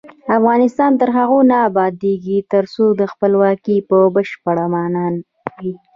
افغانستان تر هغو نه ابادیږي، ترڅو خپلواکي په بشپړه مانا وي.